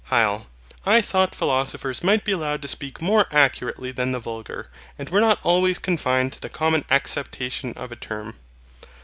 HYL. I thought philosophers might be allowed to speak more accurately than the vulgar, and were not always confined to the common acceptation of a term.